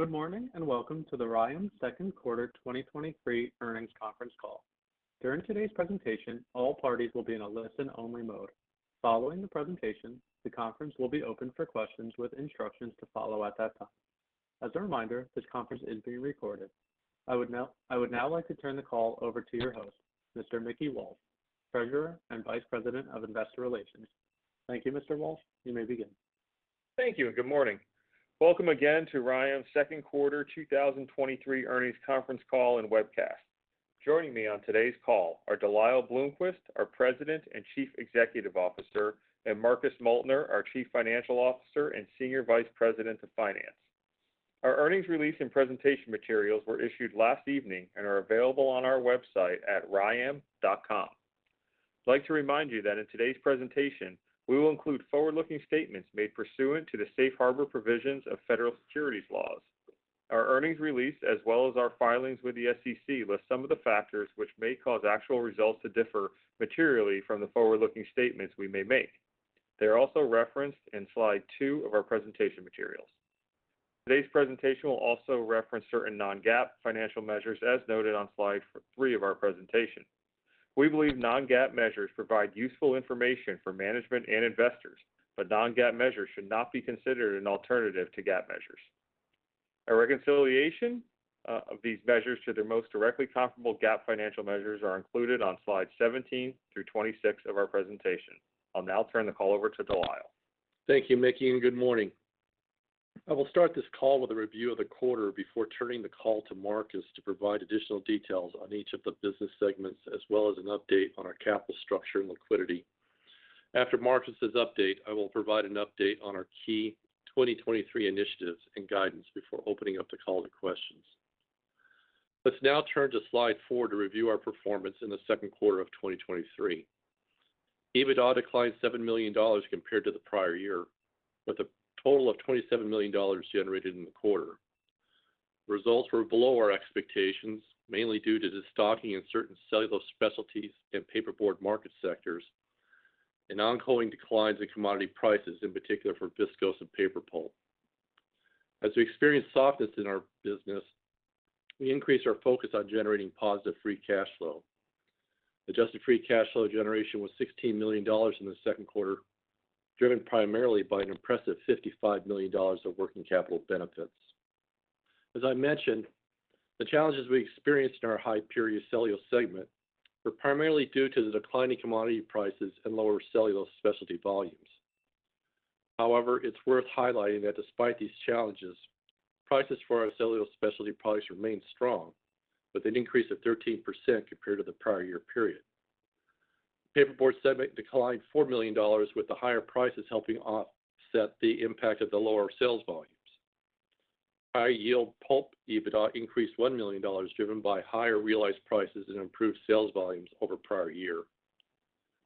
Good morning, and welcome to the RYAM Q2 2023 Earnings Conference Call. During today's presentation, all parties will be in a listen-only mode. Following the presentation, the conference will be open for questions with instructions to follow at that time. As a reminder, this conference is being recorded. I would now like to turn the call over to your host, Mr. Mickey Walsh, Treasurer and Vice President of Investor Relations. Thank you, Mr. Walsh. You may begin. Thank you, and good morning. Welcome again to RYAM's Q2 2023 Earnings Conference Call and Webcast. Joining me on today's call are De Lyle Bloomquist, our president and chief executive officer, and Marcus Moeltner, our chief financial officer and senior vice president of finance. Our earnings release and presentation materials were issued last evening and are available on our website at ryam.com. I'd like to remind you that in today's presentation, we will include forward-looking statements made pursuant to the Safe Harbor Provisions of Federal Securities Laws. Our earnings release, as well as our filings with the SEC, list some of the factors which may cause actual results to differ materially from the forward-looking statements we may make. They are also referenced in Slide two of our presentation materials. Today's presentation will also reference certain non-GAAP financial measures, as noted on Slide three of our presentation. We believe non-GAAP measures provide useful information for management and investors, but non-GAAP measures should not be considered an alternative to GAAP measures. A reconciliation of these measures to their most directly comparable GAAP financial measures are included on slides 17-26 of our presentation. I'll now turn the call over to De Lyle. Thank you, Mickey. Good morning. I will start this call with a review of the quarter before turning the call to Marcus to provide additional details on each of the business segments, as well as an update on our capital structure and liquidity. After Marcus's update, I will provide an update on our key 2023 initiatives and guidance before opening up the call to questions. Let's now turn to slide four to review our performance in the Q2 of 2023. EBITDA declined $7 million compared to the prior year, with a total of $27 million generated in the quarter. Results were below our expectations, mainly due to the stocking in certain Cellulose Specialties and Paperboard market sectors and ongoing declines in commodity prices, in particular for viscose and paper pulp. As we experienced softness in our business, we increased our focus on generating positive free cash flow. Adjusted free cash flow generation was $16 million in the Q2, driven primarily by an impressive $55 million of working capital benefits. As I mentioned, the challenges we experienced in our High Purity Cellulose segment were primarily due to the declining commodity prices and lower Cellulose Specialties volumes. However, it's worth highlighting that despite these challenges, prices for our Cellulose Specialties products remained strong, with an increase of 13% compared to the prior year period. Paperboard segment declined $4 million, with the higher prices helping offset the impact of the lower sales volumes. High-Yield Pulp EBITDA increased $1 million, driven by higher realized prices and improved sales volumes over prior year.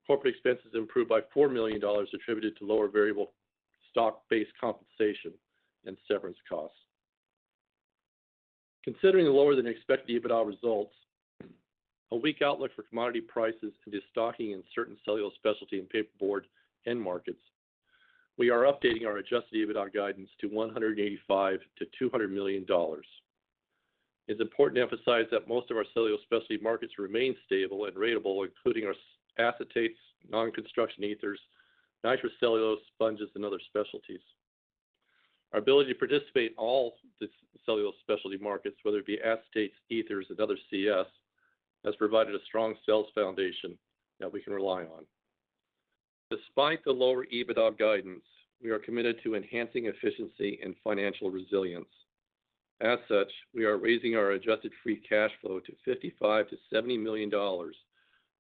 Corporate expenses improved by $4 million, attributed to lower variable stock-based compensation and severance costs. Considering the lower than expected EBITDA results, a weak outlook for commodity prices and the stocking in certain Cellulose Specialties and Paperboard end markets, we are updating our adjusted EBITDA guidance to $185 million-$200 million. It's important to emphasize that most of our Cellulose Specialties markets remain stable and ratable, including our acetates, non-Construction Ethers, nitrocellulose, sponges, and other specialties. Our ability to participate in all the Cellulose Specialties markets, whether it be acetates, ethers, and other CS, has provided a strong sales foundation that we can rely on. Despite the lower EBITDA guidance, we are committed to enhancing efficiency and financial resilience. As such, we are raising our adjusted free cash flow to $55 million-$70 million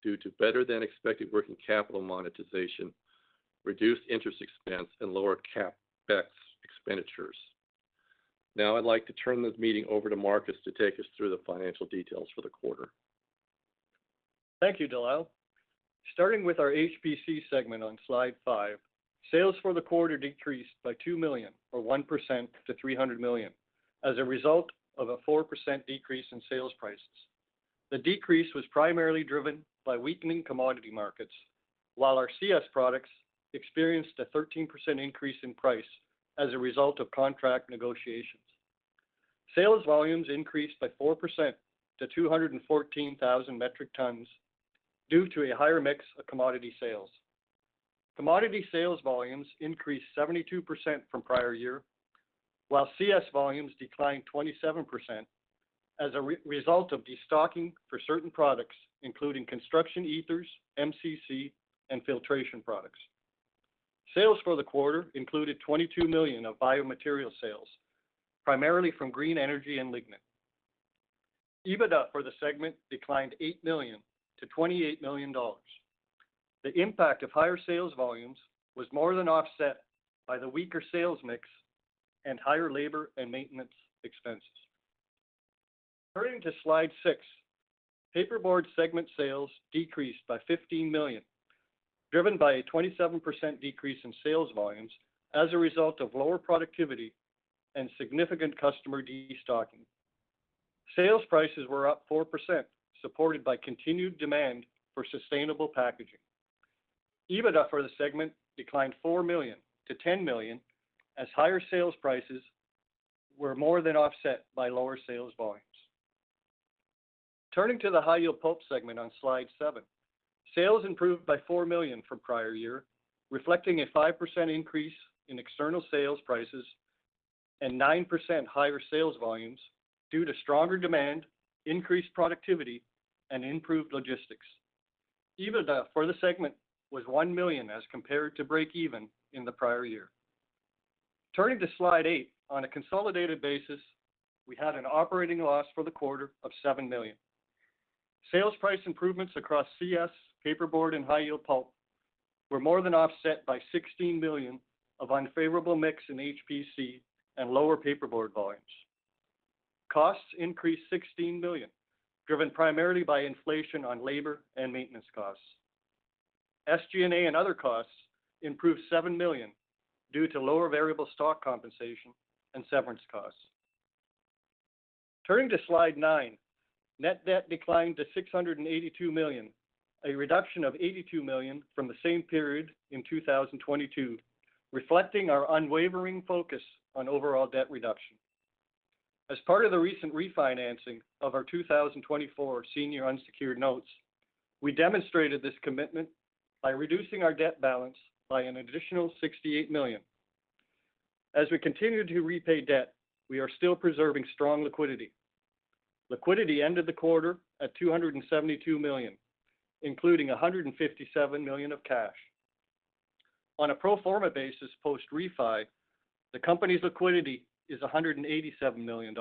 due to better-than-expected working capital monetization, reduced interest expense, and lower CapEx expenditures. I'd like to turn this meeting over to Marcus to take us through the financial details for the quarter. Thank you, De Lyle. Starting with our HPC segment on Slide five, sales for the quarter decreased by $2 million or 1% to $300 million as a result of a 4% decrease in sales prices. The decrease was primarily driven by weakening commodity markets, while our CS products experienced a 13% increase in price as a result of contract negotiations. Sales volumes increased by 4% to 214,000 metric tons due to a higher mix of commodity sales. Commodity sales volumes increased 72% from prior year, while CS volumes declined 27% as a result of destocking for certain products, including Construction Ethers, MCC, and filtration products. Sales for the quarter included $22 million of biomaterials sales, primarily from green energy and lignin. EBITDA for the segment declined $8 million to $28 million. The impact of higher sales volumes was more than offset by the weaker sales mix and higher labor and maintenance expenses. Turning to Slide six, Paperboard segment sales decreased by $15 million, driven by a 27% decrease in sales volumes as a result of lower productivity and significant customer destocking.... Sales prices were up 4%, supported by continued demand for sustainable packaging. EBITDA for the segment declined $4 million to $10 million, as higher sales prices were more than offset by lower sales volumes. Turning to the High-Yield Pulp segment on Slide seven. Sales improved by $4 million from prior year, reflecting a 5% increase in external sales prices and 9% higher sales volumes due to stronger demand, increased productivity, and improved logistics. EBITDA for the segment was $1 million as compared to breakeven in the prior year. Turning to Slide eight. On a consolidated basis, we had an operating loss for the quarter of $7 million. Sales price improvements across CS, Paperboard, and High-Yield Pulp were more than offset by $16 million of unfavorable mix in HPC and lower Paperboard volumes. Costs increased $16 million, driven primarily by inflation on labor and maintenance costs. SG&A and other costs improved $7 million due to lower variable stock compensation and severance costs. Turning to slide nine, net debt declined to $682 million, a reduction of $82 million from the same period in 2022, reflecting our unwavering focus on overall debt reduction. As part of the recent refinancing of our 2024 senior unsecured notes, we demonstrated this commitment by reducing our debt balance by an additional $68 million. As we continue to repay debt, we are still preserving strong liquidity. Liquidity ended the quarter at $272 million, including $157 million of cash. On a pro forma basis, post-refi, the company's liquidity is $187 million,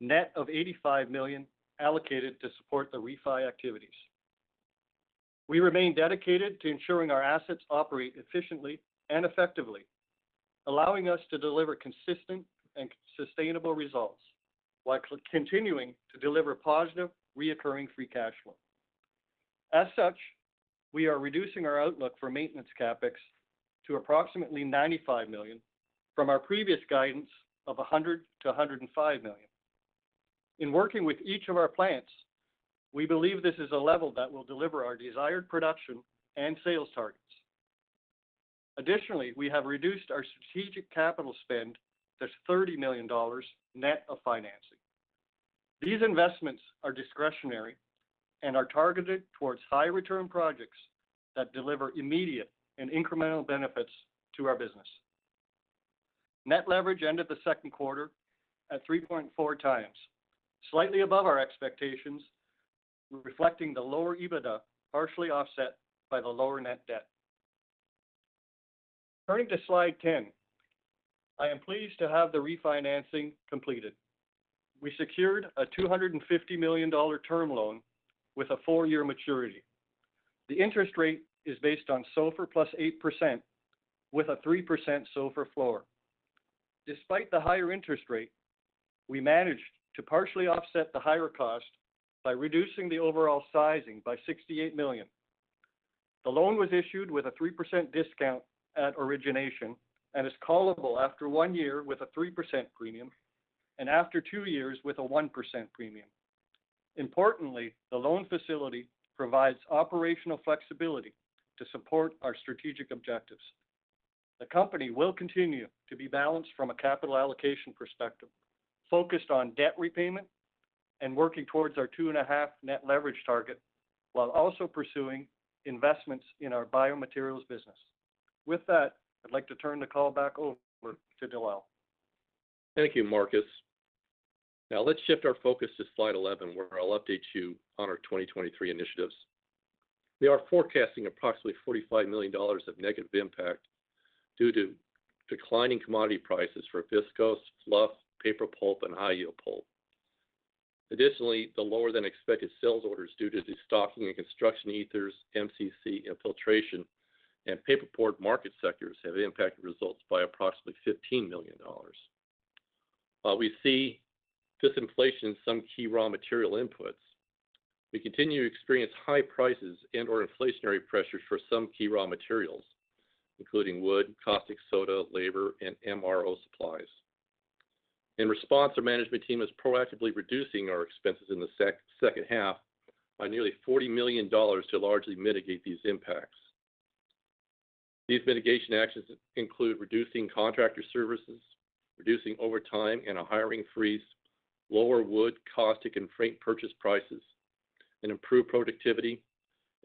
net of $85 million allocated to support the refi activities. We remain dedicated to ensuring our assets operate efficiently and effectively, allowing us to deliver consistent and sustainable results, while continuing to deliver positive, recurring free cash flow. Such, we are reducing our outlook for maintenance CapEx to approximately $95 million from our previous guidance of $100 million-$105 million. In working with each of our plants, we believe this is a level that will deliver our desired production and sales targets. We have reduced our strategic capital spend to $30 million, net of financing. These investments are discretionary and are targeted towards high-return projects that deliver immediate and incremental benefits to our business. Net leverage ended the Q2 at 3.4 times, slightly above our expectations, reflecting the lower EBITDA, partially offset by the lower net debt. Turning to slide 10. I am pleased to have the refinancing completed. We secured a $250 million term loan with a four-year maturity. The interest rate is based on SOFR plus 8%, with a 3% SOFR floor. Despite the higher interest rate, we managed to partially offset the higher cost by reducing the overall sizing by $68 million. The loan was issued with a 3% discount at origination and is callable after one year with a 3% premium, and after two years with a 1% premium. Importantly, the loan facility provides operational flexibility to support our strategic objectives. The company will continue to be balanced from a capital allocation perspective, focused on debt repayment and working towards our 2.5 net leverage target, while also pursuing investments in our biomaterials business. With that, I'd like to turn the call back over to De Lyle. Thank you, Marcus. Now, let's shift our focus to slide 11, where I'll update you on our 2023 initiatives. We are forecasting approximately $45 million of negative impact due to declining commodity prices for viscose, fluff, paper pulp, and High-Yield Pulp. Additionally, the lower-than-expected sales orders due to destocking and Construction Ethers, MCC, and filtration and Paperboard market sectors have impacted results by approximately $15 million. While we see disinflation in some key raw material inputs, we continue to experience high prices and/or inflationary pressures for some key raw materials, including wood, caustic soda, labor, and MRO supplies. In response, our management team is proactively reducing our expenses in the second half by nearly $40 million to largely mitigate these impacts. These mitigation actions include reducing contractor services, reducing overtime and a hiring freeze, lower wood, caustic, and freight purchase prices, and improved productivity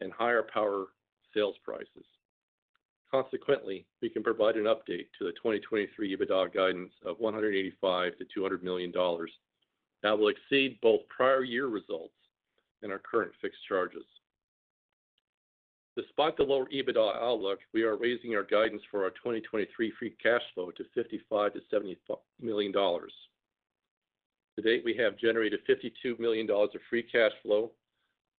and higher power sales prices. Consequently, we can provide an update to the 2023 EBITDA guidance of $185 million-$200 million. That will exceed both prior year results and our current fixed charges. Despite the lower EBITDA outlook, we are raising our guidance for our 2023 free cash flow to $55 million-$75 million. To date, we have generated $52 million of free cash flow,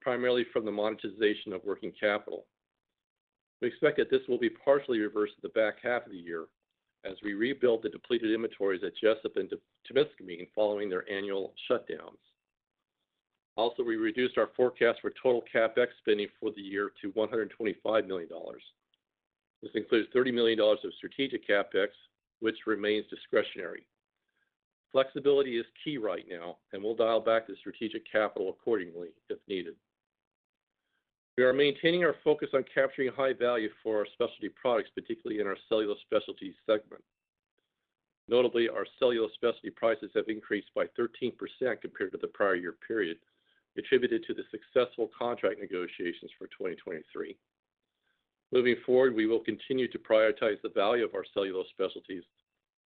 primarily from the monetization of working capital. We expect that this will be partially reversed in the back half of the year as we rebuild the depleted inventories at Jesup and Temiscaming following their annual shutdowns. We reduced our forecast for total CapEx spending for the year to $125 million. This includes $30 million of strategic CapEx, which remains discretionary. Flexibility is key right now, and we'll dial back the strategic capital accordingly, if needed. We are maintaining our focus on capturing high value for our specialty products, particularly in our Cellulose Specialties segment. Notably, our Cellulose Specialties prices have increased by 13% compared to the prior year period, attributed to the successful contract negotiations for 2023. Moving forward, we will continue to prioritize the value of our Cellulose Specialties,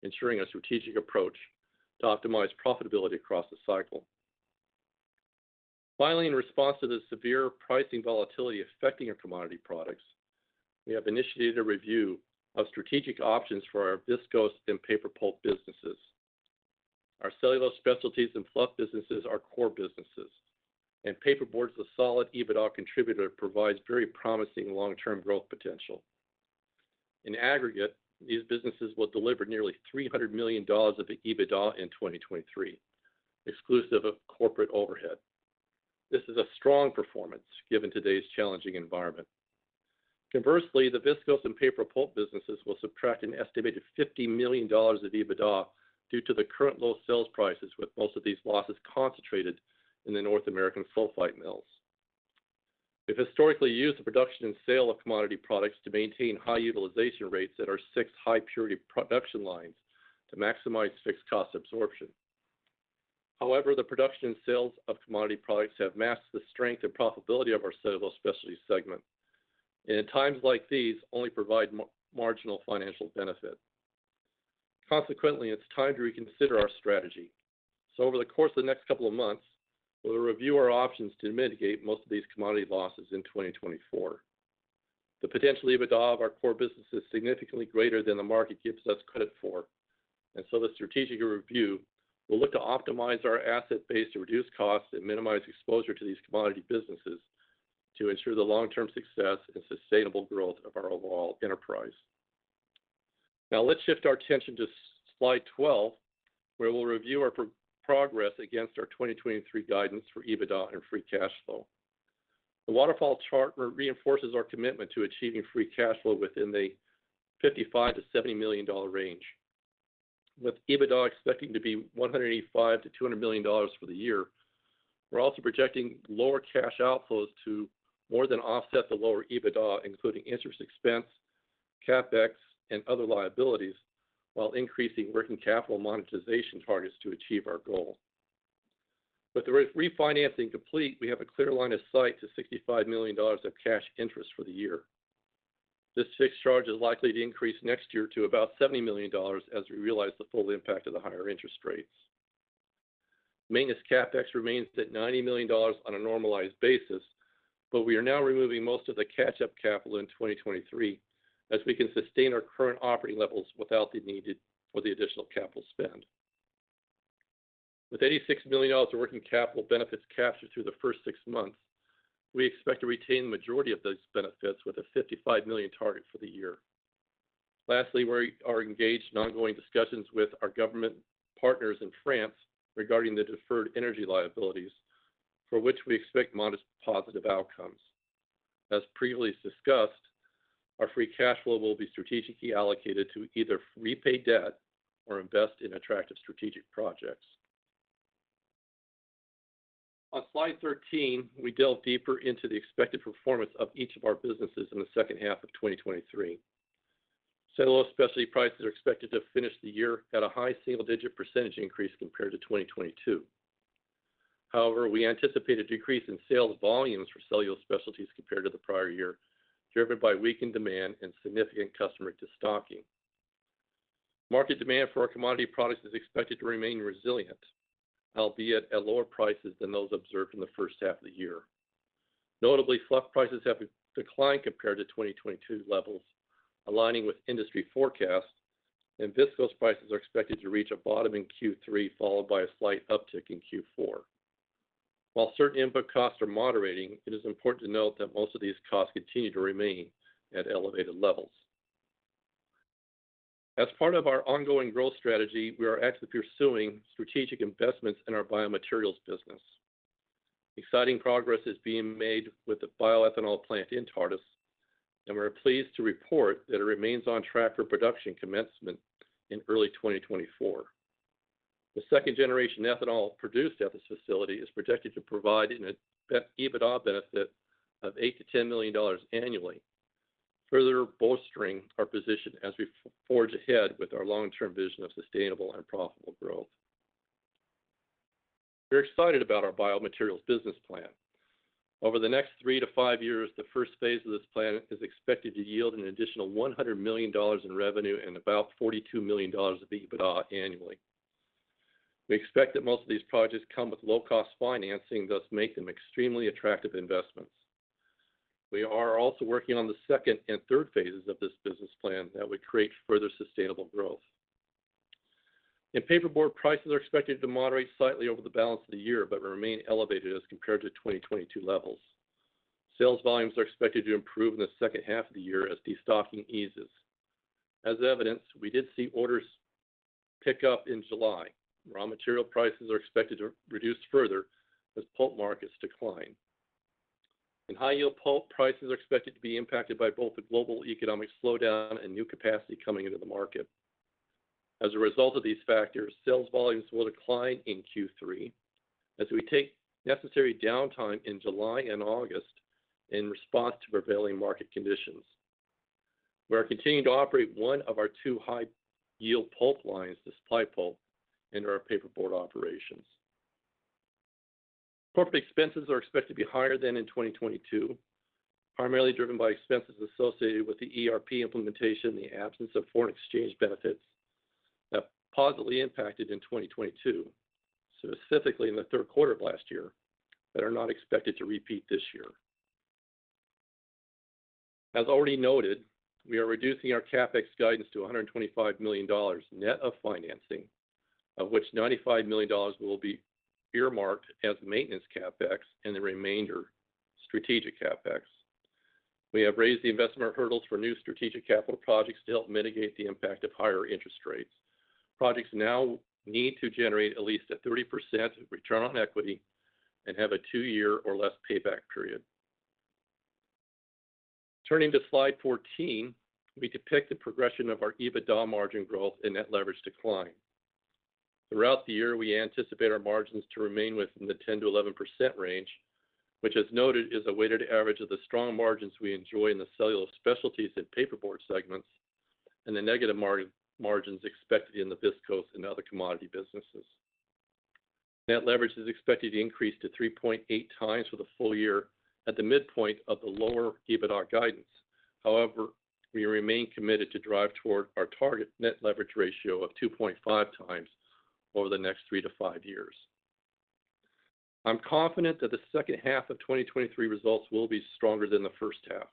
ensuring a strategic approach to optimize profitability across the cycle. Finally, in response to the severe pricing volatility affecting our commodity products, we have initiated a review of strategic options for our viscose and paper pulp businesses. Our Cellulose Specialties and fluff businesses are core businesses, and Paperboard is a solid EBITDA contributor, provides very promising long-term growth potential. In aggregate, these businesses will deliver nearly $300 million of EBITDA in 2023, exclusive of corporate overhead. This is a strong performance, given today's challenging environment. Conversely, the viscose and paper pulp businesses will subtract an estimated $50 million of EBITDA due to the current low sales prices, with most of these losses concentrated in the North American sulfite mills. We've historically used the production and sale of commodity products to maintain high utilization rates at our six high-purity production lines to maximize fixed cost absorption. However, the production and sales of commodity products have masked the strength and profitability of our Cellulose Specialties segment, and in times like these, only provide marginal financial benefit. Consequently, it's time to reconsider our strategy. Over the course of the next couple of months, we'll review our options to mitigate most of these commodity losses in 2024. The potential EBITDA of our core business is significantly greater than the market gives us credit for, and so the strategic review will look to optimize our asset base to reduce costs and minimize exposure to these commodity businesses to ensure the long-term success and sustainable growth of our overall enterprise. Now, let's shift our attention to Slide twelve, where we'll review our progress against our 2023 guidance for EBITDA and free cash flow. The waterfall chart reinforces our commitment to achieving free cash flow within the $55 million-$70 million range. With EBITDA expecting to be $185 million-$200 million for the year, we're also projecting lower cash outflows to more than offset the lower EBITDA, including interest expense, CapEx, and other liabilities, while increasing working capital monetization targets to achieve our goal. With the refinancing complete, we have a clear line of sight to $65 million of cash interest for the year. This fixed charge is likely to increase next year to about $70 million as we realize the full impact of the higher interest rates. Maintenance CapEx remains at $90 million on a normalized basis, but we are now removing most of the catch-up capital in 2023, as we can sustain our current operating levels without the need for the additional capital spend. With $86 million of working capital benefits captured through the first six months, we expect to retain the majority of those benefits with a $55 million target for the year. Lastly, we are engaged in ongoing discussions with our government partners in France regarding the deferred energy liabilities, for which we expect modest positive outcomes. As previously discussed, our free cash flow will be strategically allocated to either repay debt or invest in attractive strategic projects. On Slide 13, we delve deeper into the expected performance of each of our businesses in the second half of 2023. Cellulose Specialties prices are expected to finish the year at a high single-digit percentage increase compared to 2022. However, we anticipate a decrease in sales volumes for Cellulose Specialties compared to the prior year, driven by weakened demand and significant customer de-stocking. Market demand for our commodity products is expected to remain resilient, albeit at lower prices than those observed in the first half of the year. Notably, fluff prices have declined compared to 2022 levels, aligning with industry forecasts, and viscose prices are expected to reach a bottom in Q3, followed by a slight uptick in Q4. While certain input costs are moderating, it is important to note that most of these costs continue to remain at elevated levels. As part of our ongoing growth strategy, we are actively pursuing strategic investments in our biomaterials business. Exciting progress is being made with the bioethanol plant in Tartas, and we are pleased to report that it remains on track for production commencement in early 2024. The second-generation bioethanol produced at this facility is projected to provide an EBITDA benefit of $8 million-$10 million annually, further bolstering our position as we forge ahead with our long-term vision of sustainable and profitable growth. We're excited about our biomaterials business plan. Over the next three to five years, the first phase of this plan is expected to yield an additional $100 million in revenue and about $42 million of EBITDA annually. We expect that most of these projects come with low-cost financing, thus make them extremely attractive investments. We are also working on the second and third phases of this business plan that would create further sustainable growth. Paperboard prices are expected to moderate slightly over the balance of the year, but remain elevated as compared to 2022 levels. Sales volumes are expected to improve in the second half of the year as destocking eases. As evidenced, we did see orders pick up in July. Raw material prices are expected to reduce further as pulp markets decline. High-yield pulp prices are expected to be impacted by both the global economic slowdown and new capacity coming into the market. As a result of these factors, sales volumes will decline in Q3 as we take necessary downtime in July and August in response to prevailing market conditions. We are continuing to operate one of our two high-yield pulp lines, the supply pulp, and our paperboard operations. Corporate expenses are expected to be higher than in 2022, primarily driven by expenses associated with the ERP implementation and the absence of foreign exchange benefits that positively impacted in 2022, specifically in the Q3 of last year, that are not expected to repeat this year. As already noted, we are reducing our CapEx guidance to $125 million, net of financing, of which $95 million will be earmarked as maintenance CapEx and the remainder, strategic CapEx. We have raised the investment hurdles for new strategic capital projects to help mitigate the impact of higher interest rates. Projects now need to generate at least a 30% return on equity and have a two-year or less payback period. Turning to Slide 14, we depict the progression of our EBITDA margin growth and net leverage decline. Throughout the year, we anticipate our margins to remain within the 10%-11% range, which, as noted, is a weighted average of the strong margins we enjoy in the Cellulose Specialties and Paperboard segments, and the negative margins expected in the viscose and other commodity businesses. Net leverage is expected to increase to 3.8x for the full year at the midpoint of the lower EBITDA guidance. However, we remain committed to drive toward our target net leverage ratio of 2.5x over the next three to five years. I'm confident that the second half of 2023 results will be stronger than the first half.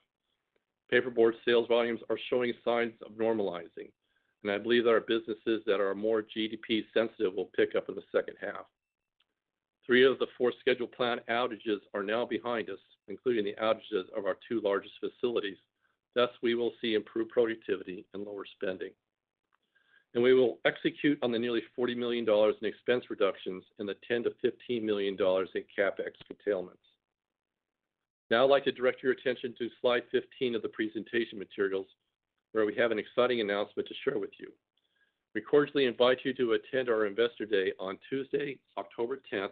Paperboard sales volumes are showing signs of normalizing, and I believe that our businesses that are more GDP sensitive will pick up in the second half. 3 of the 4 scheduled plant outages are now behind us, including the outages of our 2 largest facilities. Thus, we will see improved productivity and lower spending. We will execute on the nearly $40 million in expense reductions and the $10 million-$15 million in CapEx curtailments. Now, I'd like to direct your attention to Slide 15 of the presentation materials, where we have an exciting announcement to share with you. We cordially invite you to attend our Investor Day on Tuesday, October 10,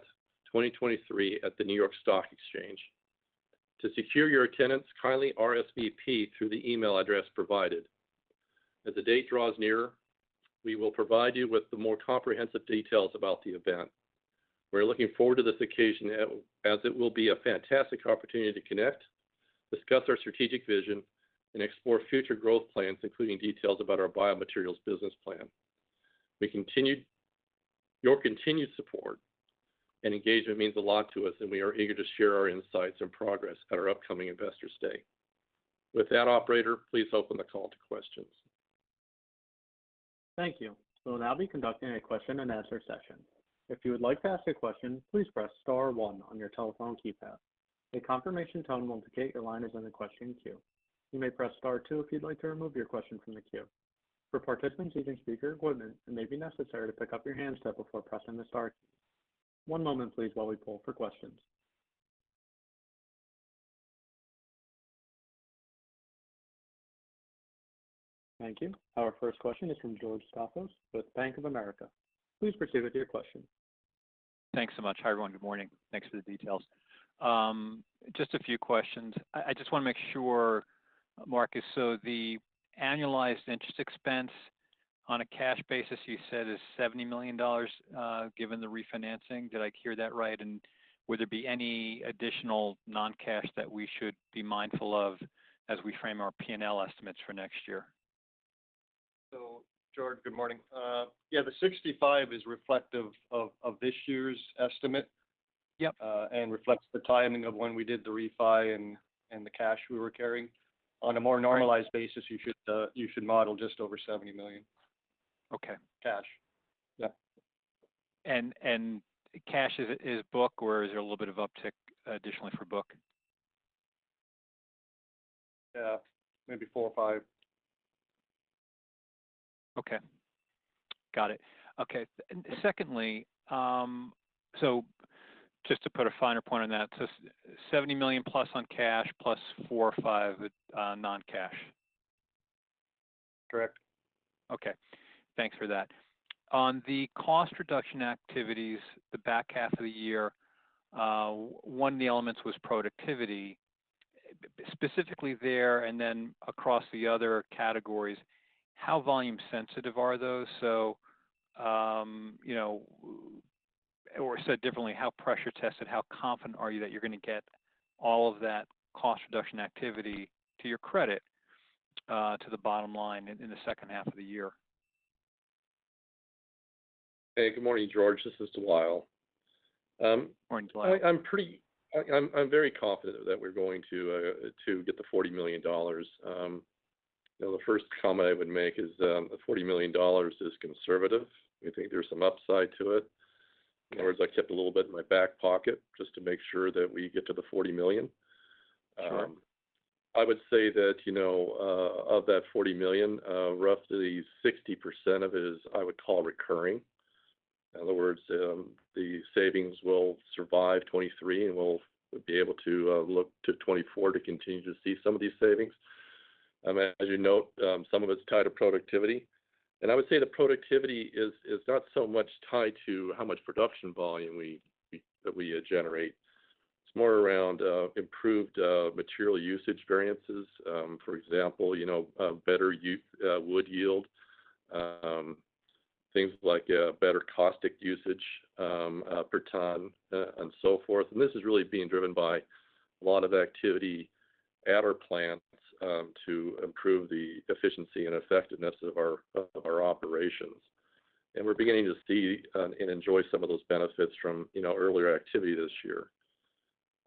2023, at the New York Stock Exchange. To secure your attendance, kindly RSVP through the email address provided. As the date draws nearer, we will provide you with the more comprehensive details about the event. We're looking forward to this occasion, as it will be a fantastic opportunity to connect, discuss our strategic vision, and explore future growth plans, including details about our biomaterials business plan. Your continued support and engagement means a lot to us, and we are eager to share our insights and progress at our upcoming Investor Day. With that, operator, please open the call to questions. Thank you. We'll now be conducting a question-and-answer session. If you would like to ask a question, please press star one on your telephone keypad. A confirmation tone will indicate your line is in the question queue. You may press star two if you'd like to remove your question from the queue. For participants using speaker equipment, it may be necessary to pick up your handset before pressing the star key. One moment, please, while we poll for questions. Thank you. Our first question is from George Staphos with Bank of America. Please proceed with your question. Thanks so much. Hi, everyone. Good morning. Thanks for the details. Just a few questions. I just want to make sure, Marcus, the annualized interest expense on a cash basis, you said, is $70 million, given the refinancing. Did I hear that right? Would there be any additional non-cash that we should be mindful of as we frame our PNL estimates for next year? George, good morning. Yeah, the 65 is reflective of, of this year's estimate... Yep... and reflects the timing of when we did the refi and, and the cash we were carrying. On a more normalized basis, you should, you should model just over $70 million. Okay. Cash. Yeah. Cash is book, or is there a little bit of uptick additionally for book? Yeah, maybe four or five. Okay. Got it. Okay. Secondly, just to put a finer point on that, $70 million+ on cash, plus 4 or 5 non-cash? Correct. Okay. Thanks for that. On the cost reduction activities, the back half of the year, one of the elements was productivity. Specifically there, and then across the other categories, how volume sensitive are those? So, you know, or said differently, how pressure tested, how confident are you that you're going to get all of that cost reduction activity, to your credit, to the bottom line in, in the second half of the year? Hey, good morning, George. This is De Lyle. Morning, De Lyle. I, I'm pretty I, I'm, I'm very confident that we're going to get the $40 million. You know, the first comment I would make is, the $40 million is conservative. We think there's some upside to it. In other words, I kept a little bit in my back pocket just to make sure that we get to the $40 million. I would say that, you know, of that $40 million, roughly 60% of it is, I would call recurring. In other words, the savings will survive 2023, and we'll be able to look to 2024 to continue to see some of these savings. I mean, as you note, some of it's tied to productivity, and I would say the productivity is, is not so much tied to how much production volume we that we generate. It's more around improved material usage variances. For example, you know, a better yield, wood yield, things like better caustic usage per ton and so forth. This is really being driven by a lot of activity at our plants to improve the efficiency and effectiveness of our, of our operations. We're beginning to see and enjoy some of those benefits from, you know, earlier activity this year.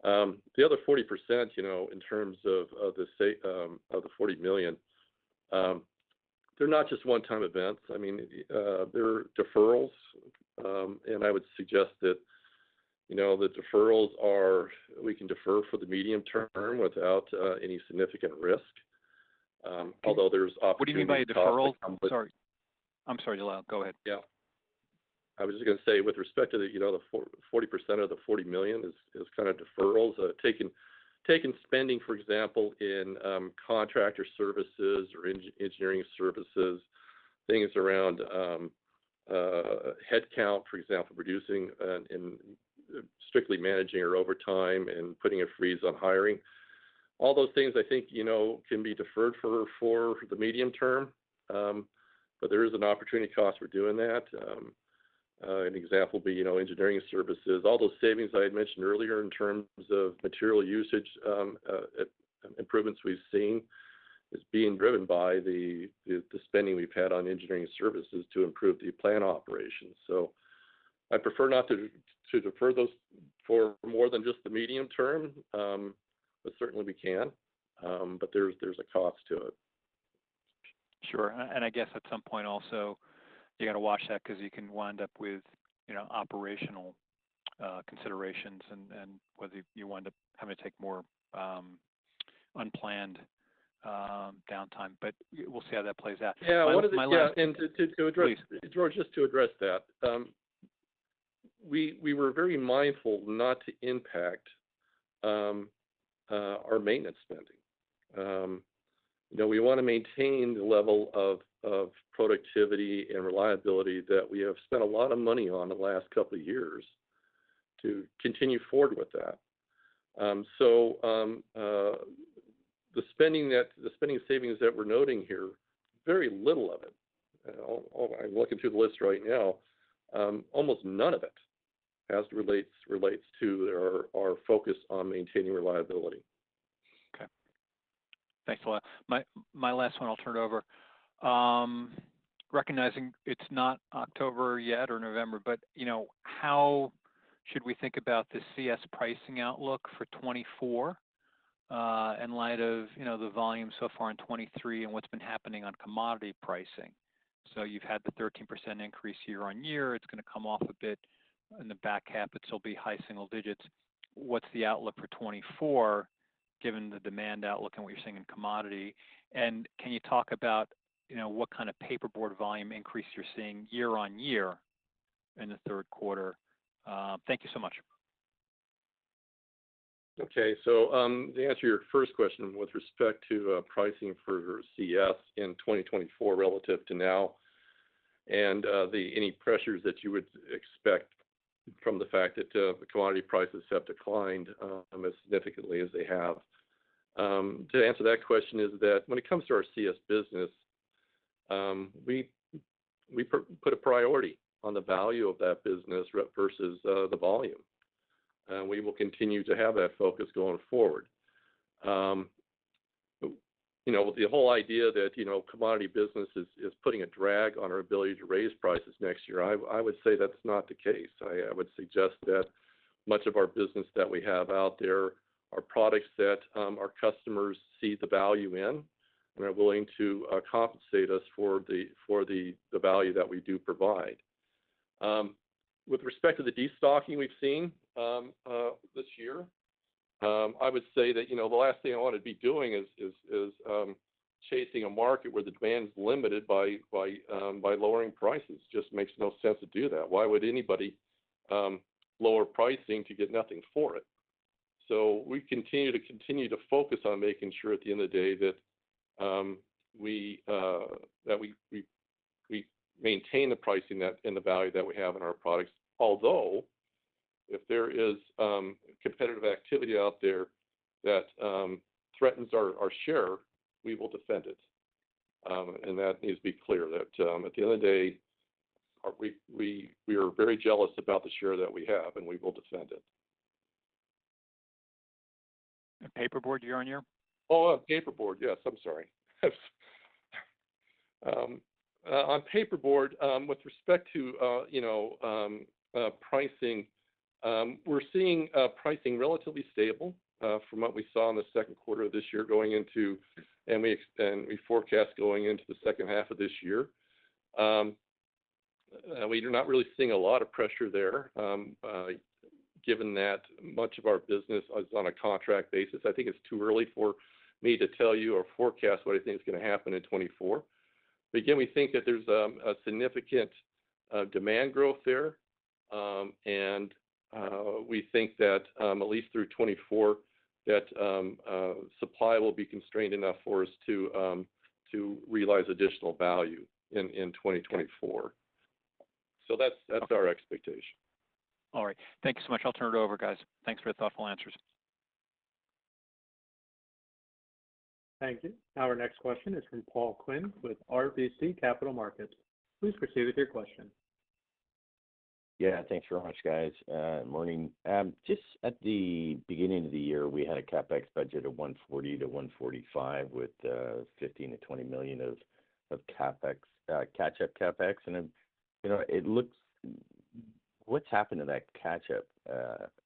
The other 40%, you know, in terms of, of the sa- of the $40 million, they're not just one-time events. I mean, they're deferrals, and I would suggest that, you know, the deferrals are... We can defer for the medium term without any significant risk. Although there's opportunity- What do you mean by a deferral? Sorry. I'm sorry, Lyle. Go ahead. Yeah. I was just gonna say, with respect to the, you know, the 40% of the $40 million is, is kind of deferrals, taking, taking spending, for example, in contractor services or engineering services, things around headcount, for example, reducing, and strictly managing our overtime and putting a freeze on hiring. All those things I think, you know, can be deferred for, for the medium term. There is an opportunity cost for doing that. An example would be, you know, engineering services. All those savings I had mentioned earlier in terms of material usage, improvements we've seen, is being driven by the, the, the spending we've had on engineering services to improve the plant operations. I prefer not to, to defer those for more than just the medium term, but certainly we can, but there's, there's a cost to it. Sure. I guess at some point also, you got to watch that because you can wind up with, you know, operational considerations and, and whether you wind up having to take more unplanned downtime, but we'll see how that plays out. Yeah. My last- Yeah, to, to address. Please. George, just to address that, we were very mindful not to impact our maintenance spending. You know, we want to maintain the level of productivity and reliability that we have spent a lot of money on in the last couple of years to continue forward with that. The spending savings that we're noting here, very little of it, I'm looking through the list right now, almost none of it, as it relates to our focus on maintaining reliability. Okay. Thanks a lot. My, my last one, I'll turn it over. Recognizing it's not October yet or November, but, you know, how should we think about the CS pricing outlook for 2024, in light of, you know, the volume so far in 2023 and what's been happening on commodity pricing? You've had the 13% increase year-on-year. It's gonna come off a bit in the back half. It'll still be high single digits. What's the outlook for 2024, given the demand outlook and what you're seeing in commodity? Can you talk about, you know, what kind of Paperboard volume increase you're seeing year-on-year in the Q3? Thank you so much. To answer your first question with respect to pricing for CS in 2024 relative to now, and any pressures that you would expect from the fact that the commodity prices have declined as significantly as they have. To answer that question is that when it comes to our CS business, we, we put a priority on the value of that business versus the volume, and we will continue to have that focus going forward. You know, the whole idea that, you know, commodity business is, is putting a drag on our ability to raise prices next year, I, I would say that's not the case. I, I would suggest that much of our business that we have out there are products that, our customers see the value in, and are willing to, compensate us for the, for the, the value that we do provide. With respect to the destocking we've seen, this year, I would say that, you know, the last thing I want to be doing is, is, is chasing a market where the demand is limited by, by, by lowering prices. Just makes no sense to do that. Why would anybody, lower pricing to get nothing for it? We continue to continue to focus on making sure at the end of the day, that we, that we, we, we maintain the pricing that and the value that we have in our products. Although, if there is competitive activity out there that threatens our, our share, we will defend it. That needs to be clear, that, at the end of the day, we, we, we are very jealous about the share that we have, and we will defend it. And paper board year on year? Oh, Paperboard. Yes, I'm sorry. On Paperboard, with respect to, you know, pricing, we're seeing pricing relatively stable from what we saw in the Q2 of this year going into... We forecast going into the second half of this year. We're not really seeing a lot of pressure there. Given that much of our business is on a contract basis, I think it's too early for me to tell you or forecast what I think is gonna happen in 2024. Again, we think that there's a significant demand growth there, and we think that, at least through 2024, that supply will be constrained enough for us to realize additional value in, in 2024. That's, that's our expectation. All right. Thank you so much. I'll turn it over, guys. Thanks for the thoughtful answers. Thank you. Our next question is from Paul Quinn with RBC Capital Markets. Please proceed with your question. Yeah, thanks very much, guys. Morning. Just at the beginning of the year, we had a CapEx budget of $140 million-$145 million, with $15 million-$20 million of CapEx, catch-up CapEx. You know, it looks... What's happened to that catch-up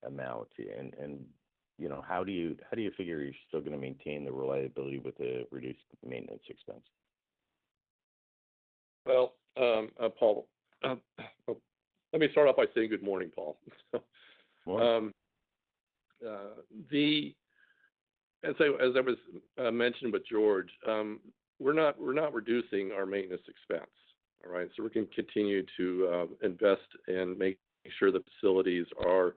amount? You know, how do you, how do you figure you're still gonna maintain the reliability with the reduced maintenance expense? Paul, let me start off by saying good morning, Paul. Morning. As I was mentioning with George, we're not, we're not reducing our maintenance expense, all right? We're gonna continue to invest and make sure the facilities are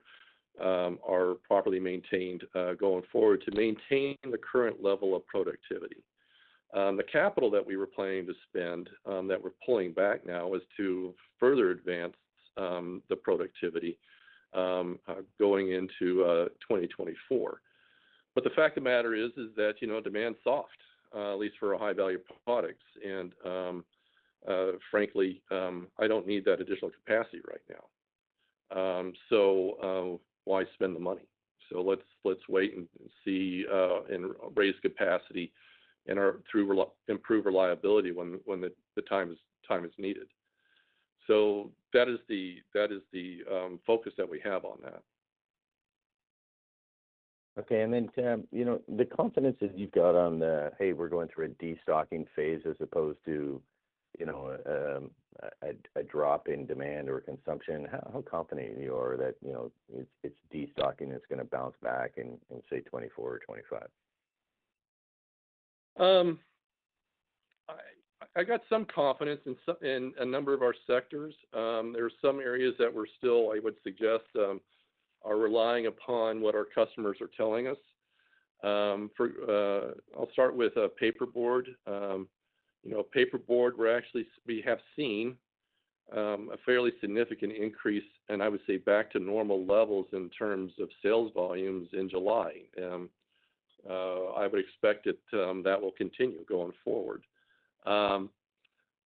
properly maintained going forward, to maintain the current level of productivity. The capital that we were planning to spend that we're pulling back now, is to further advance the productivity going into 2024. The fact of the matter is, is that, you know, demand's soft, at least for our high-value products, and frankly, I don't need that additional capacity right now. Why spend the money? Let's, let's wait and see and raise capacity and improve reliability when, when the, the time is, time is needed. That is the, that is the focus that we have on that. Okay, then, De Lyle, you know, the confidence that you've got on the, "Hey, we're going through a destocking phase," as opposed to, you know, a drop in demand or consumption, how confident are you that, you know, it's destocking, it's gonna bounce back in, in, say, 2024 or 2025? I got some confidence in a number of our sectors. There are some areas that we're still, I would suggest, are relying upon what our customers are telling us. For, I'll start with Paperboard. You know, Paperboard, we actually have seen a fairly significant increase, and I would say back to normal levels in terms of sales volumes in July. I would expect it that will continue going forward.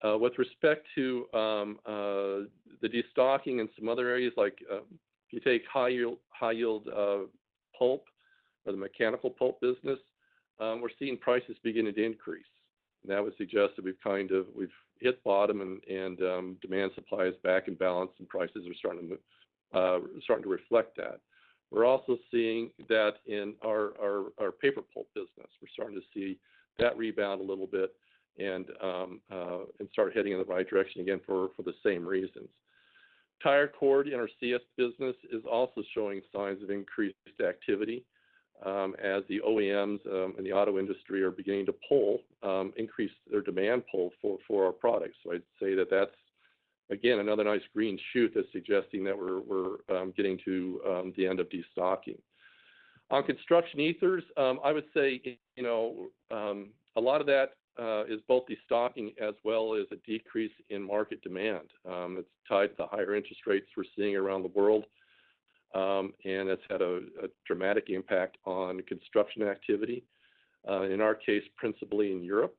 With respect to the destocking in some other areas, like, if you take High-Yield Pulp, High-Yield Pulp or the mechanical pulp business, we're seeing prices beginning to increase. That would suggest that we've kind of we've hit bottom and demand supply is back in balance, and prices are starting to reflect that. We're also seeing that in our, our, our paper pulp business. We're starting to see that rebound a little bit and start heading in the right direction again for, for the same reasons. Tire cord in our CS business is also showing signs of increased activity as the OEMs and the auto industry are beginning to pull increase their demand pull for, for our products. I'd say that that's, again, another nice green shoot that's suggesting that we're, we're, getting to the end of destocking. On Construction Ethers, I would say, you know, a lot of that is both destocking as well as a decrease in market demand. It's tied to higher interest rates we're seeing around the world, and it's had a, a dramatic impact on construction activity in our case, principally in Europe.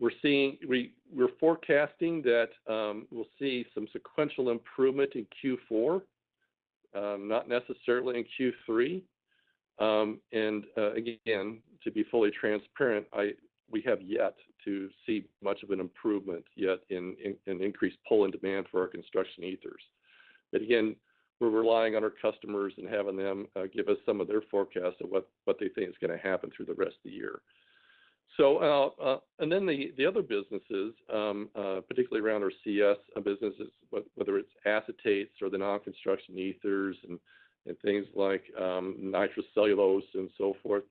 We're forecasting that we'll see some sequential improvement in Q4, not necessarily in Q3. Again, to be fully transparent, we have yet to see much of an improvement yet in increased pull and demand for our Construction Ethers. Again, we're relying on our customers and having them give us some of their forecasts of what they think is gonna happen through the rest of the year. The other businesses, particularly around our CS businesses, whether it's acetates or the non-Construction Ethers and things like nitrocellulose and so forth,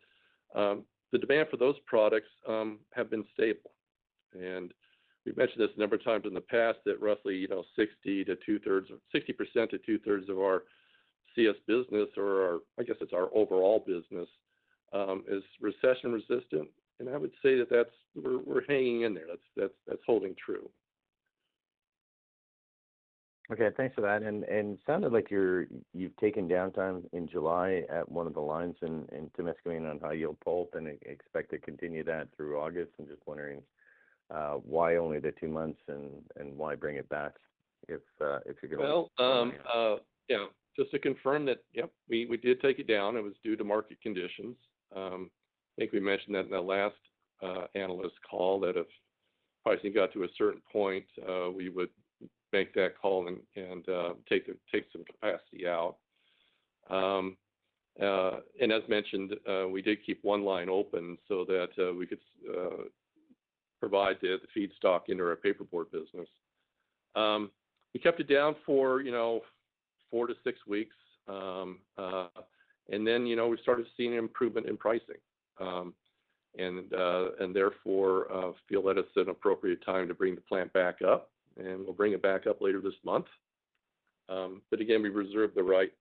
the demand for those products have been stable. We've mentioned this a number of times in the past, that roughly, you know, 60 to two-thirds or 60% to two-thirds of our CS business or our, I guess it's our overall business, is recession resistant. I would say that that's. We're, we're hanging in there. That's, that's, that's holding true. Okay, thanks for that. Sounded like you've taken downtime in July at one of the lines in Temiscaming on high-yield pulp and expect to continue that through August. I'm just wondering why only the two months, why bring it back if you're gonna... Well, yeah, just to confirm that, yep, we, we did take it down. It was due to market conditions. I think we mentioned that in the last analyst call, that if pricing got to a certain point, we would make that call and, and take the- take some capacity out. As mentioned, we did keep one line open so that we could provide the feedstock into our Paperboard business. We kept it down for, you know, four to six weeks. Then, you know, we started seeing improvement in pricing. Therefore, feel that it's an appropriate time to bring the plant back up, and we'll bring it back up later this month. Again, we reserve the right,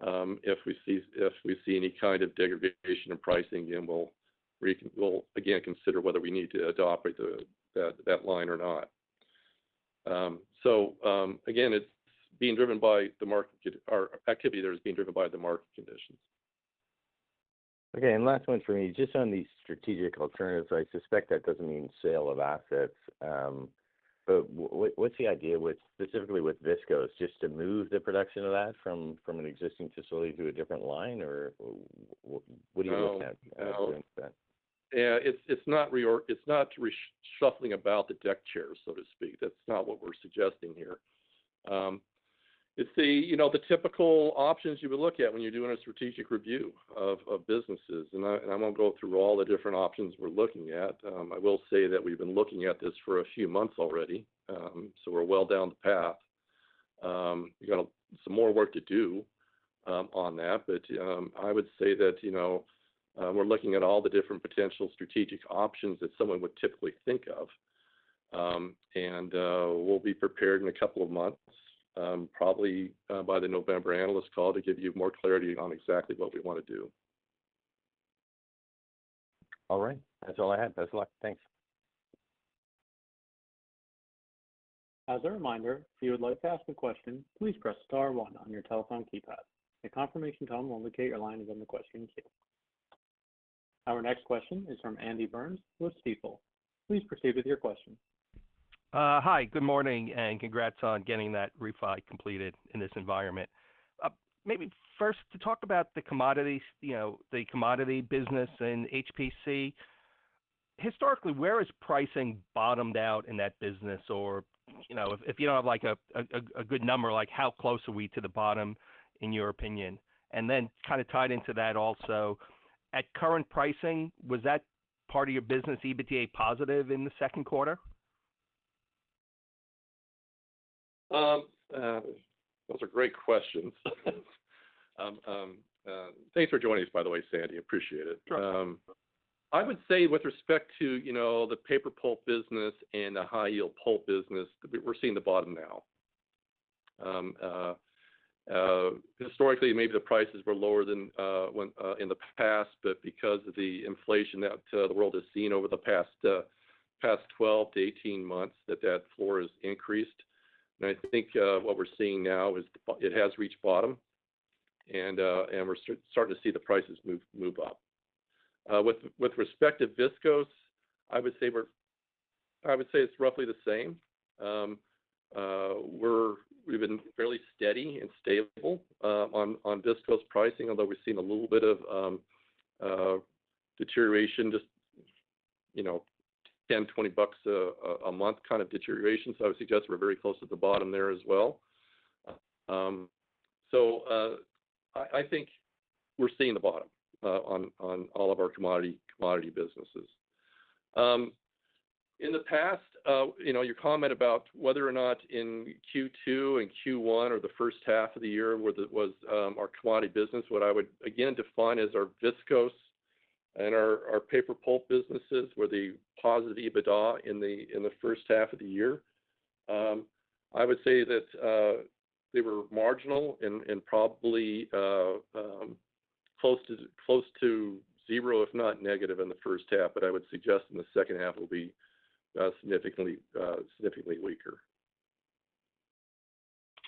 if we see any kind of degradation in pricing, then we'll again consider whether we need to idle up the, that line or not. Again, it's being driven by the market or activity there is being driven by the market conditions. Okay, and last one for me, just on these strategic alternatives. I suspect that doesn't mean sale of assets, but what's the idea with, specifically with viscose? Just to move the production of that from, from an existing facility to a different line, or what are you looking at? No. For instance? Yeah, it's, it's not reshuffling about the deck chair, so to speak. That's not what we're suggesting here. It's the, you know, the typical options you would look at when you're doing a strategic review of, of businesses. I won't go through all the different options we're looking at. I will say that we've been looking at this for a few months already, so we're well down the path. We got some more work to do on that, but I would say that, you know, we're looking at all the different potential strategic options that someone would typically think of. We'll be prepared in a couple of months, probably by the November analyst call, to give you more clarity on exactly what we want to do. All right. That's all I had. Best of luck. Thanks. As a reminder, if you would like to ask a question, please press star one on your telephone keypad. A confirmation tone will indicate your line is in the question queue. Our next question is from Sandy Burns with Stifel. Please proceed with your question. Hi, good morning. Congrats on getting that refi completed in this environment. Maybe first, to talk about the commodities, you know, the commodity business and HPC. Historically, where has pricing bottomed out in that business? You know, if you don't have like a good number, like, how close are we to the bottom, in your opinion? Then kind of tied into that also, at current pricing, was that part of your business EBITDA positive in the Q2? Those are great questions. Thanks for joining us, by the way, Sandy. Appreciate it. Sure. I would say with respect to, you know, the paper pulp business and the High-Yield Pulp business, we're seeing the bottom now. Historically, maybe the prices were lower than when in the past, but because of the inflation that the world has seen over the past 12 to 18 months, that that floor has increased. I think what we're seeing now is the bottom. It has reached bottom, and we're starting to see the prices move, move up. With respect to viscose, I would say we're... I would say it's roughly the same. We've been fairly steady and stable on viscose pricing, although we've seen a little bit of deterioration, just, you know, $10, $20 a month kind of deterioration. I would suggest we're very close to the bottom there as well. I think we're seeing the bottom on all of our commodity businesses. In the past, you know, your comment about whether or not in Q2 and Q1 or the first half of the year, whether it was our commodity business, what I would again define as our viscose and our paper pulp businesses, were the positive EBITDA in the first half of the year. I would say that they were marginal and probably close to zero, if not negative in the first half, but I would suggest in the second half will be significantly weaker.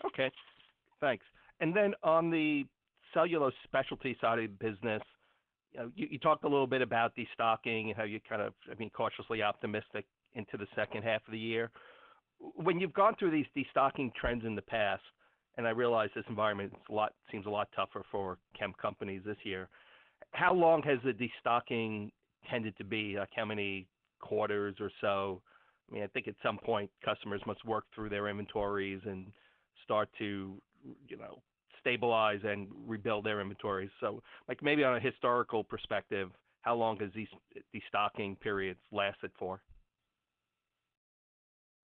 Okay, thanks. Then on the Cellulose Specialties side of the business, you, you talked a little bit about destocking and how you're kind of, I mean, cautiously optimistic into the second half of the year. When you've gone through these destocking trends in the past, and I realize this environment is a lot, seems a lot tougher for chem companies this year, how long has the destocking tended to be? Like, how many quarters or so? I mean, I think at some point, customers must work through their inventories and start to, you know, stabilize and rebuild their inventories. Like maybe on a historical perspective, how long has these destocking periods lasted for?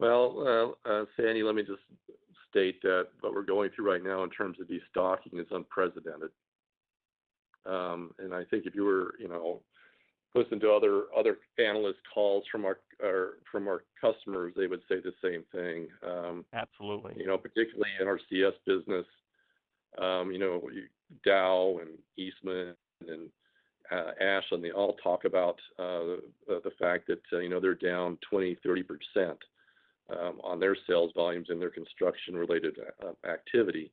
Well, Sandy, let me just state that what we're going through right now in terms of destocking is unprecedented. I think if you were, you know, listening to other, other analyst calls from our, from our customers, they would say the same thing. Absolutely. You know, particularly in our CS business, you know, Dow and Eastman and Ashland, they all talk about the fact that, you know, they're down 20%-30% on their sales volumes and their construction-related activity.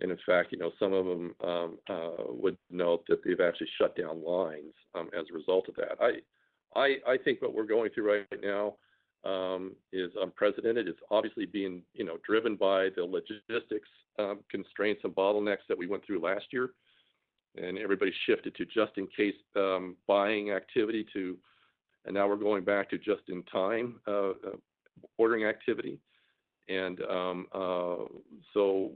In fact, you know, some of them would note that they've actually shut down lines as a result of that. I, I, I think what we're going through right now is unprecedented. It's obviously being, you know, driven by the logistics constraints and bottlenecks that we went through last year. Everybody shifted to just in case buying activity to, and now we're going back to just in time ordering activity. So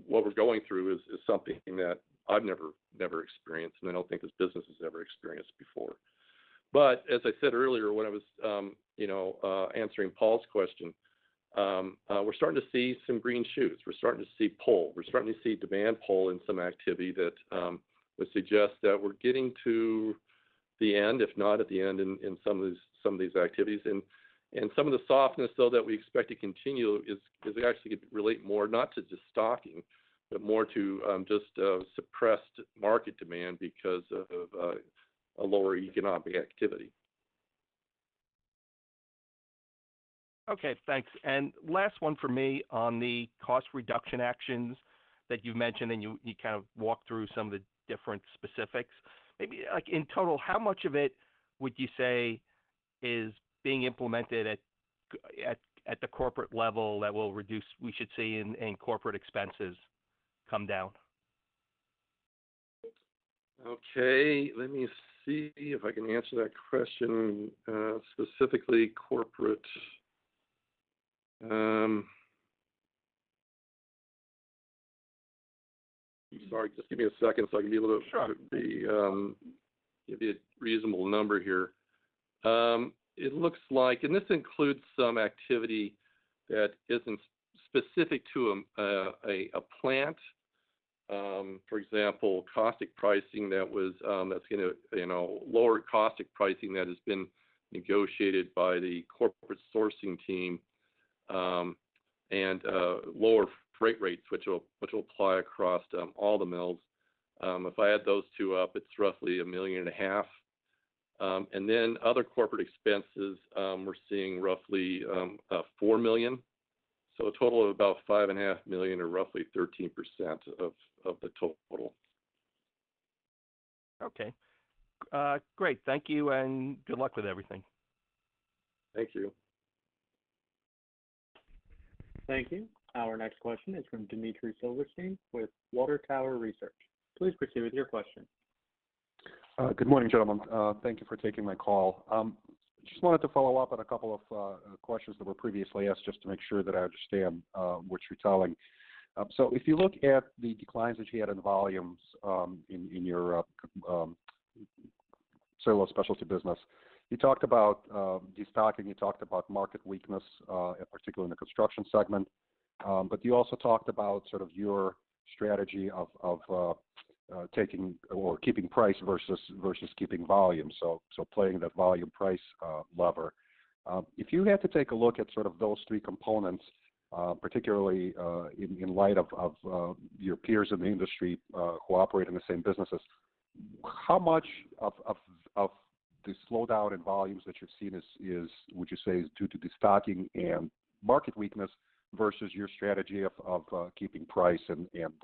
what we're going through is, is something that I've never, never experienced, and I don't think this business has ever experienced before. As I said earlier, when I was, you know, answering Paul's question, we're starting to see some green shoots. We're starting to see pull. We're starting to see demand pull in some activity that would suggest that we're getting to the end, if not at the end in, in some of these, some of these activities. Some of the softness, though, that we expect to continue is actually relate more, not to just stocking, but more to, just, suppressed market demand because of a lower economic activity. Okay, thanks. Last one for me on the cost reduction actions that you've mentioned, and you, you kind of walked through some of the different specifics. Maybe like in total, how much of it would you say is being implemented at the corporate level that will reduce... we should see in, in corporate expenses come down? Okay, let me see if I can answer that question, specifically corporate. Sorry, just give me a second, so I can give you a little- Sure. The, give you a reasonable number here. It looks like, and this includes some activity that isn't specific to a plant. For example, caustic pricing that was, that's gonna, you know, lower caustic pricing that has been negotiated by the corporate sourcing team, and lower freight rates, which will, which will apply across all the mills. If I add those two up, it's roughly $1.5 million. Then other corporate expenses, we're seeing roughly $4 million, so a total of about $5.5 million or roughly 13% of the total. Okay. great. Thank you, and good luck with everything. Thank you. Thank you. Our next question is from Dmitri Silversteyn with Water Tower Research. Please proceed with your question. Good morning, gentlemen. Thank you for taking my call. Just wanted to follow up on a couple of questions that were previously asked, just to make sure that I understand what you're telling. If you look at the declines that you had in the volumes, in, in your, specialized specialty business, you talked about destocking, you talked about market weakness, particularly in the construction segment. You also talked about sort of your strategy of, of, taking or keeping price versus, versus keeping volume, so, so playing that volume price, lever. If you had to take a look at sort of those three components, particularly, in, in light of, of, your peers in the industry, who operate in the same businesses, how much of, of, of the slowdown in volumes that you've seen would you say, is due to destocking and market weakness versus your strategy of, of, keeping price and, and,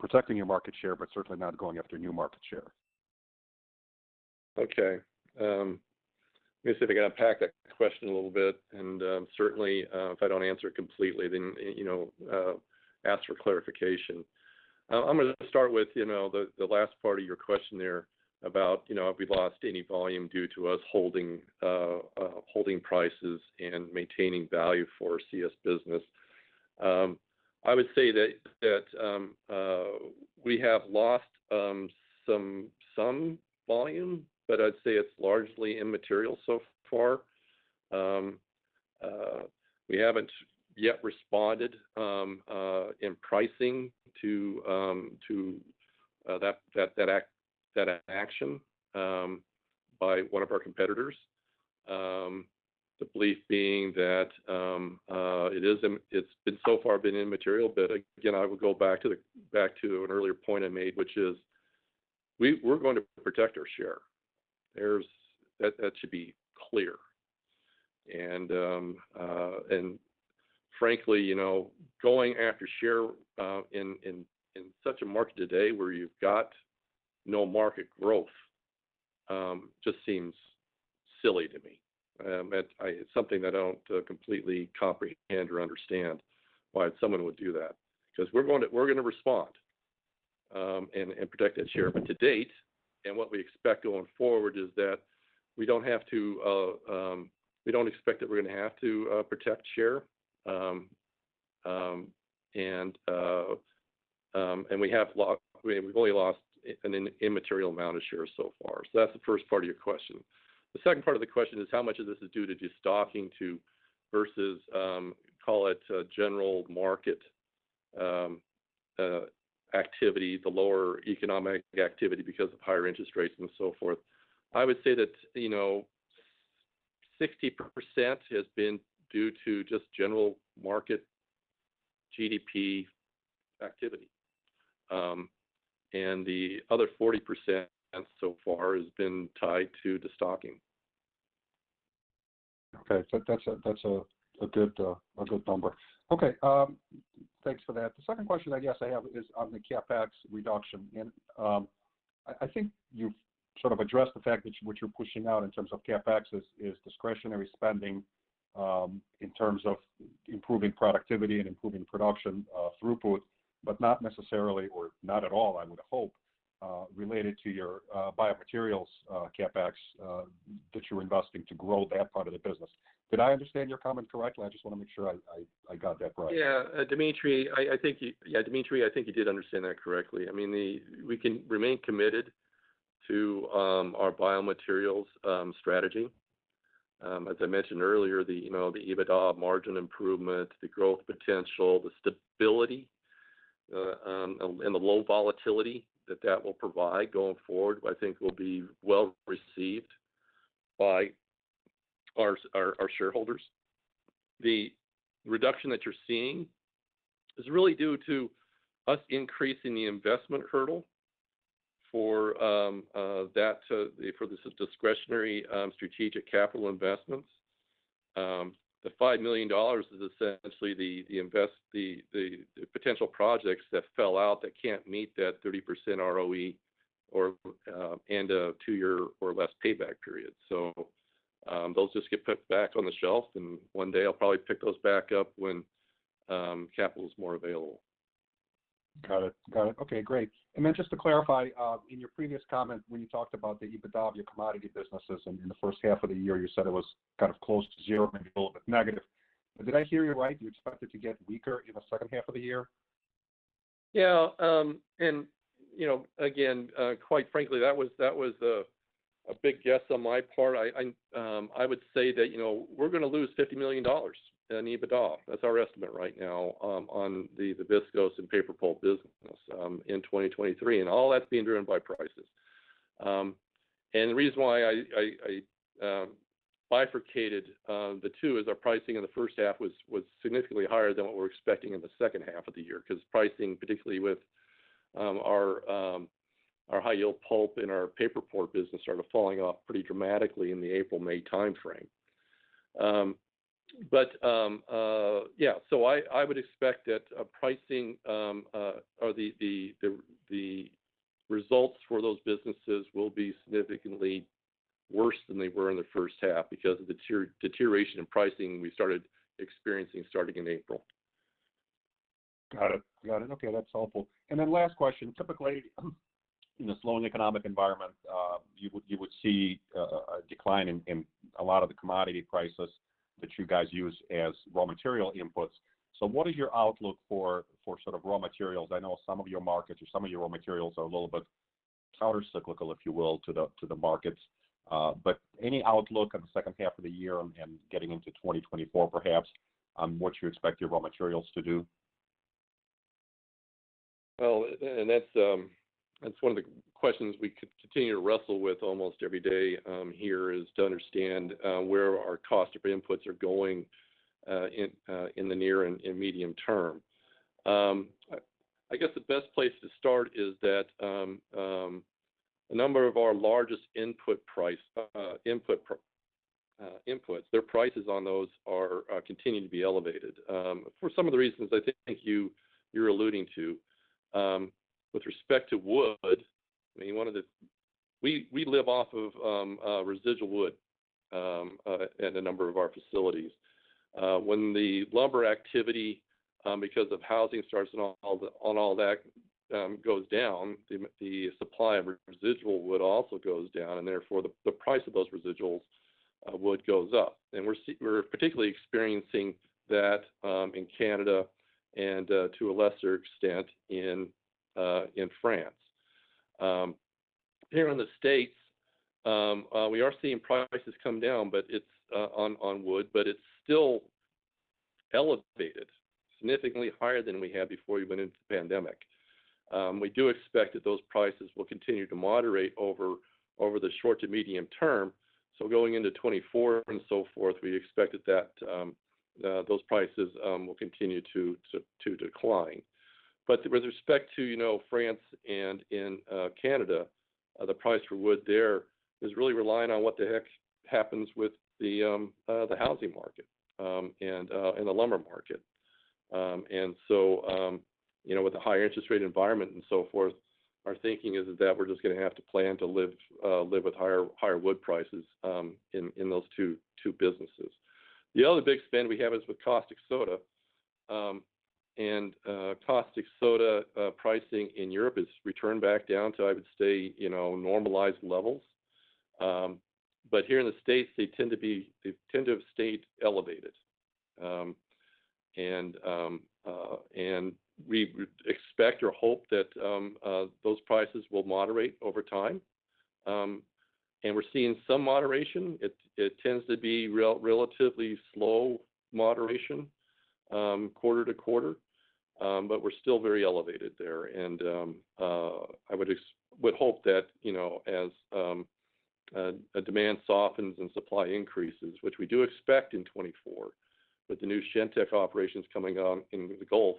protecting your market share, but certainly not going after new market share? Okay, let me see if I can unpack that question a little bit, and certainly, if I don't answer it completely, then, you know, ask for clarification. I'm gonna start with, you know, the, the last part of your question there about, you know, if we lost any volume due to us holding holding prices and maintaining value for our CS business. I would say that, that, we have lost some volume, but I'd say it's largely immaterial so far. We haven't yet responded in pricing to that, that, that act- that action by one of our competitors. The belief being that it is im- it's been so far been immaterial. Again, I would go back to back to an earlier point I made, which is we're going to protect our share. There's. That, that should be clear. Frankly, you know, going after share in, in, in such a market today, where you've got no market growth, just seems silly to me. It's something I don't completely comprehend or understand why someone would do that. Because we're going to, we're going to respond, and, and protect that share. To date, and what we expect going forward is that we don't have to, we don't expect that we're gonna have to protect share. And we've only lost an immaterial amount of shares so far. That's the first part of your question. The second part of the question is, how much of this is due to destocking to versus, call it, general market activity, the lower economic activity because of higher interest rates and so forth? I would say that, you know, 60% has been due to just general market GDP activity. The other 40% and so far has been tied to destocking. Okay. That's a, that's a, a good, a good number. Okay, thanks for that. The second question I guess I have is on the CapEx reduction. I, I think you've sort of addressed the fact that what you're pushing out in terms of CapEx is, is discretionary spending in terms of improving productivity and improving production throughput, but not necessarily or not at all, I would hope, related to your biomaterials CapEx that you're investing to grow that part of the business. Did I understand your comment correctly? I just wanna make sure I, I, I got that right. Dmitry, I think you did understand that correctly. I mean, we can remain committed to our biomaterials strategy. As I mentioned earlier, you know, the EBITDA margin improvement, the growth potential, the stability, and the low volatility that that will provide going forward, I think will be well received by our, our, our shareholders. The reduction that you're seeing is really due to us increasing the investment hurdle for that for the discretionary strategic capital investments. The $5 million is essentially the potential projects that fell out that can't meet that 30% ROE or and a two-year or less payback period. Those just get put back on the shelf, and one day I'll probably pick those back up when capital is more available. Got it. Got it. Okay, great. Then just to clarify, in your previous comment, when you talked about the EBITDA of your commodity businesses in, in the first half of the year, you said it was kind of close to 0, maybe a little bit negative. Did I hear you right, you expect it to get weaker in the second half of the year? Yeah, you know, again, quite frankly, that was, that was a big guess on my part. I, I, I would say that, you know, we're gonna lose $50 million in EBITDA. That's our estimate right now, on the viscose and paper pulp business in 2023, all that's being driven by prices. The reason why I, I, I bifurcated the two is our pricing in the first half was, was significantly higher than what we're expecting in the second half of the year, 'cause pricing, particularly with our high-yield pulp and our paper pulp business, started falling off pretty dramatically in the April-May timeframe. I would expect that pricing, or the results for those businesses will be significantly worse than they were in the first half because of the deterioration in pricing we started experiencing starting in April. Got it. Got it. Okay, that's helpful. Then last question: Typically, in a slowing economic environment, you would, you would see, a decline in, in a lot of the commodity prices that you guys use as raw material inputs. What is your outlook for, for sort of raw materials? I know some of your markets or some of your raw materials are a little bit countercyclical, if you will, to the, to the markets. Any outlook on the second half of the year and getting into 2024, perhaps, on what you expect your raw materials to do? Well, and that's, that's one of the questions we continue to wrestle with almost every day, here, is to understand, where our cost of inputs are going, in, in the near and, and medium term. I guess the best place to start is that, a number of our largest input price, input inputs, their prices on those are, are continuing to be elevated, for some of the reasons I think you, you're alluding to. With respect to wood, I mean, one of the... We, we live off of, residual wood, at a number of our facilities. When the lumber activity, because of housing starts and all the, and all that, goes down, the supply of residual wood also goes down, and therefore, the price of those residuals wood goes up. We're particularly experiencing that in Canada and to a lesser extent in France. Here in the States, we are seeing prices come down, but it's on, on wood, but it's still elevated, significantly higher than we had before we went into the pandemic. We do expect that those prices will continue to moderate over the short to medium term. Going into 2024 and so forth, we expect that those prices will continue to, to, to decline. With respect to, you know, France and in Canada, the price for wood there is really relying on what the heck happens with the housing market and the lumber market. And so, you know, with the higher interest rate environment and so forth, our thinking is that we're just gonna have to plan to live live with higher, higher wood prices in in those two, two businesses. The other big spend we have is with caustic soda. And caustic soda pricing in Europe has returned back down to, I would say, you know, normalized levels. But here in the States, they tend to be-- they tend to have stayed elevated. And and we would expect or hope that those prices will moderate over time. We're seeing some moderation. It tends to be relatively slow moderation, quarter to quarter. We're still very elevated there, and I would hope that, you know, as a demand softens and supply increases, which we do expect in 2024, with the new Shintech operations coming on in the Gulf,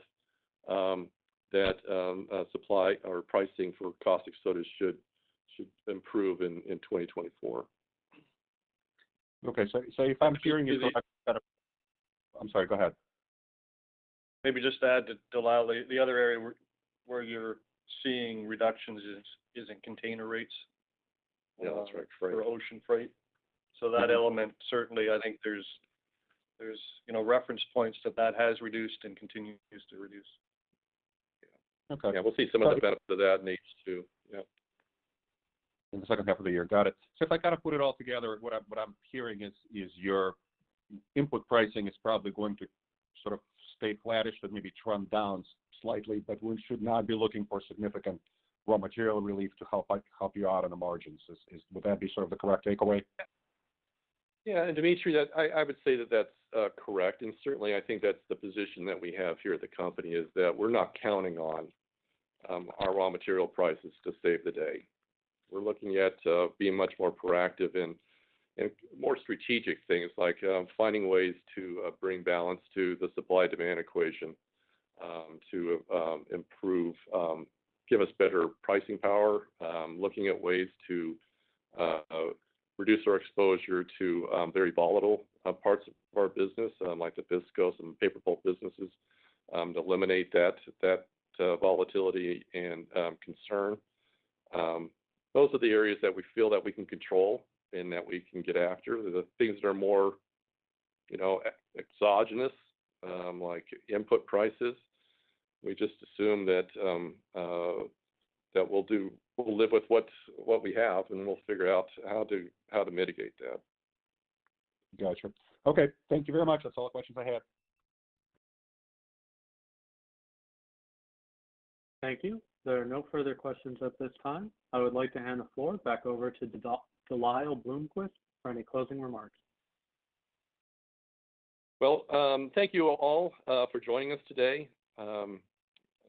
that supply or pricing for caustic soda should improve in 2024. Okay, if I'm hearing you correctly... I'm sorry, go ahead. ... Maybe just to add to De Lyle, the, the other area where, where you're seeing reductions is, is in container rates- Yeah, that's right, freight. Ocean freight. That element, certainly I think there's, there's, you know, reference points that, that has reduced and continues to reduce. Yeah. Okay. Yeah, we'll see some of the benefits of that in H2. Yeah. In the second half of the year, got it. If I kind of put it all together, what I'm, what I'm hearing is, is your input pricing is probably going to sort of stay flattish but maybe trend down slightly, but we should not be looking for significant raw material relief to help, like, help you out on the margins. Is, is... Would that be sort of the correct takeaway? Yeah, and Dmitry, that I, I would say that that's correct, and certainly I think that's the position that we have here at the company, is that we're not counting on our raw material prices to save the day. We're looking at being much more proactive and, and more strategic things like finding ways to bring balance to the supply-demand equation, to improve, give us better pricing power. Looking at ways to reduce our exposure to very volatile parts of our business, like the viscose and paper pulp businesses, to eliminate that, that volatility and concern. Those are the areas that we feel that we can control and that we can get after. The things that are more, you know, exogenous, like input prices, we just assume that we'll live with what, what we have, and then we'll figure out how to, how to mitigate that. Gotcha. Okay, thank you very much. That's all the questions I had. Thank you. There are no further questions at this time. I would like to hand the floor back over to Dr. De Lyle Bloomquist for any closing remarks. Well, thank you all for joining us today.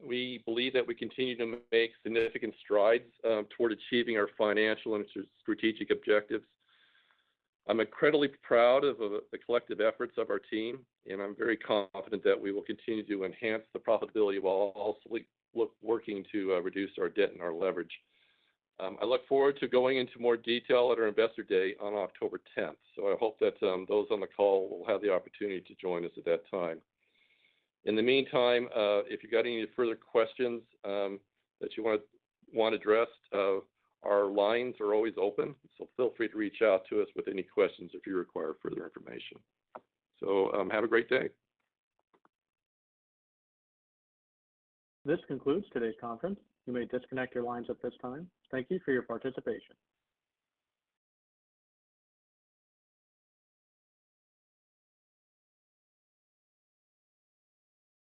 We believe that we continue to make significant strides toward achieving our financial and strategic objectives. I'm incredibly proud of, of the collective efforts of our team. I'm very confident that we will continue to enhance the profitability while also working to reduce our debt and our leverage. I look forward to going into more detail at our Investor Day on October 10th. I hope that those on the call will have the opportunity to join us at that time. In the meantime, if you got any further questions that you wanna address, our lines are always open. Feel free to reach out to us with any questions if you require further information. Have a great day. This concludes today's conference. You may disconnect your lines at this time. Thank you for your participation.